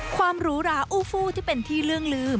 ความหรูหราอู้ฟูที่เป็นที่เรื่องลืม